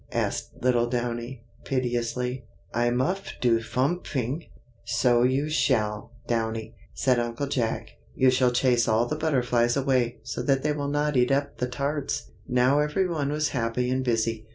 asked little Downy, piteously; "I muf do fomefing!" "So you shall, Downy," said Uncle Jack; "you shall chase all the butterflies away, so that they will not eat up the tarts." Now every one was happy and busy.